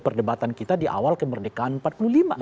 perdebatan kita di awal kemerdekaan